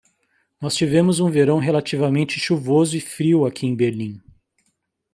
Nós tivemos um verão relativamente chuvoso e frio aqui em Berlim.